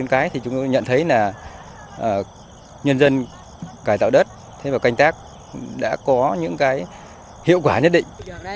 con cái thì chúng tôi nhận thấy là nhân dân cải tạo đất và canh tác đã có những cái hiệu quả nhất định